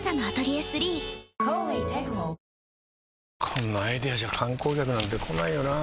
こんなアイデアじゃ観光客なんて来ないよなあ